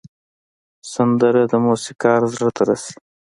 سندره د موسیقار زړه ته رسي